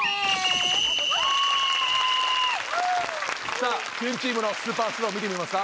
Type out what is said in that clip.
さあキュンチームのスーパースロー見てみますか？